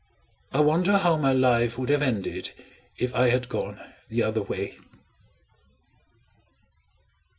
I wonder how my life would have ended, if I had gone the other way?